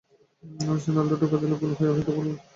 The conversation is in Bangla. মরিসন আলতো টোকা দিলেই গোল হয়, অহেতুক ভলি করে পাঠিয়েছেন বাইরে।